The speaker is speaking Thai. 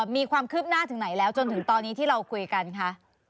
มีความคืบหน้าถึงไหนแล้วจนถึงตอนนี้ที่เราคุยกันคะ